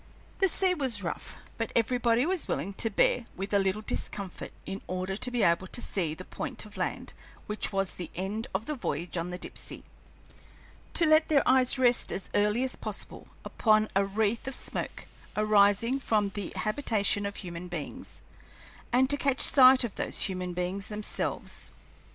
The sea was rough, but everybody was willing to bear with a little discomfort in order to be able to see the point of land which was the end of the voyage on the Dipsey, to let their eyes rest as early as possible upon a wreath of smoke arising from the habitation of human beings, and to catch sight of those human beings themselves.